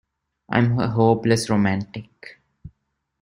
I'm a hopeless romantic.